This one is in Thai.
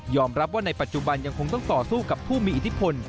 รับว่าในปัจจุบันยังคงต้องต่อสู้กับผู้มีอิทธิพล